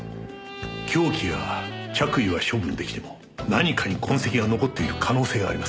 凶器や着衣は処分出来ても何かに痕跡が残っている可能性があります。